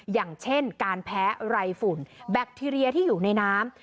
อย่างเช่นการแพ้ไรฝุ่นแบคทีเรียที่อยู่ในน้ำ